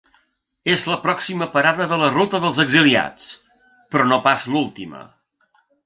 És la pròxima parada de la ruta dels exiliats, però no pas l’última.